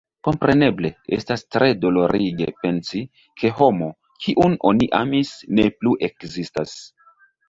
Kompreneble, estas tre dolorige pensi, ke homo, kiun oni amis, ne plu ekzistas.